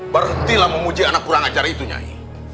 berhentilah memuji anak kurang ajar itu nyanyi